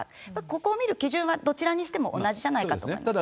ここを見る基準はどちらにしても同じじゃないかと思います。